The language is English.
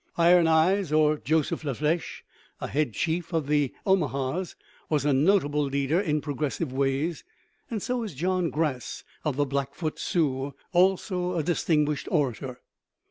Iron Eyes, or Joseph La Flesche, a head chief of the Omahas, was a notable leader in progressive ways; and so is John Grass of the Blackfoot Sioux, also a distinguished orator.